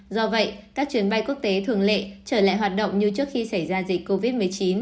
do vậy các chuyến bay quốc tế thường lệ trở lại hoạt động như trước khi xảy ra dịch covid một mươi chín